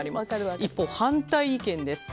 一方、反対意見です。